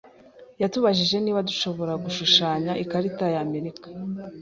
Yatubajije niba dushobora gushushanya ikarita ya Amerika.